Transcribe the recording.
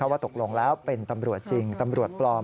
ว่าตกลงแล้วเป็นตำรวจจริงตำรวจปลอม